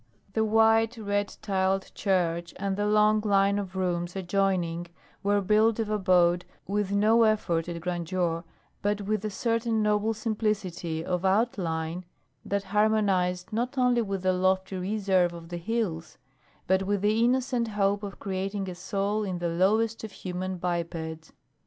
The white red tiled church and the long line of rooms adjoining were built of adobe with no effort at grandeur, but with a certain noble simplicity of outline that harmonized not only with the lofty reserve of the hills but with the innocent hope of creating a soul in the lowest of human bipeds.